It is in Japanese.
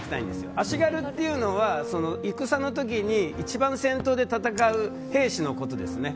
足軽というのは戦の時に一番先頭で戦う兵士のことですね。